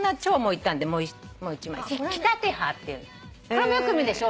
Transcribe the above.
これもよく見るでしょ？